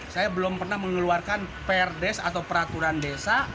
saya belum pernah mengeluarkan perdes atau peraturan desa